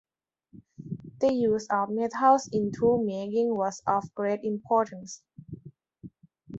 The use of metals in tool making was of great importance.